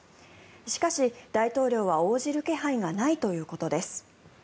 しかし、大統領は応じる気配がないということです。